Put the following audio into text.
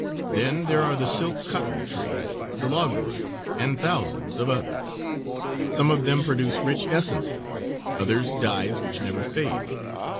Then there are the silk cotton tree, the logwood and thousands of others. Some of them produce rich essences, others dyes which never fade.